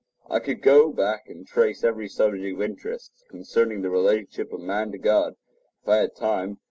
I could go back and trace every subject of interest concerning the relationship of man to God, if I had time.